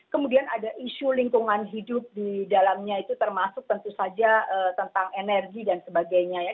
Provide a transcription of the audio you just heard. kemudian ada isu lingkungan hidup di dalamnya itu termasuk tentu saja tentang energi dan sebagainya ya